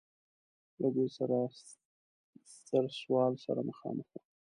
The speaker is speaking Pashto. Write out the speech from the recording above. له دې ستر سوال سره مخامخ و.